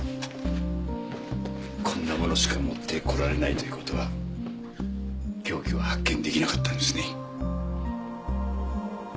こんなものしか持ってこられないという事は凶器は発見できなかったんですね。